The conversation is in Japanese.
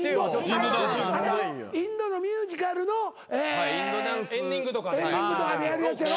インドのミュージカルのエンディングとかでやるやつやろ？